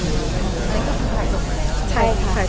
นำคำคือถ่ายจบไปแล้ว